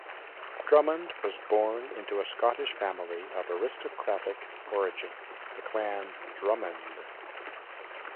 Drummond was born into a Scottish family of aristocratic origin, the Clan Drummond.